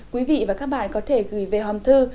quý vị và các bạn có thể gửi về hòm thư